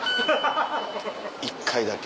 一回だけ。